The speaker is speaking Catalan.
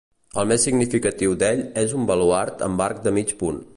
El més significatiu d'ell és un baluard amb arc de mig punt.